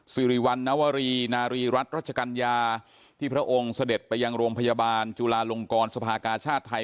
สิริวัณนวรีนารีรัฐรัชกัญญาที่พระองค์เสด็จไปยังโรงพยาบาลจุลาลงกรสภากาชาติไทย